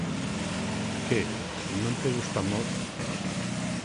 Que, non te gusta Moz?